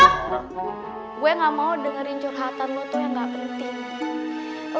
gue gak mau dengerin curhatanmu tuh yang gak penting